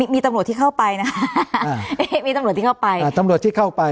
มีตำรวจที่เข้าไปนะฮะมีตำรวจที่เข้าไป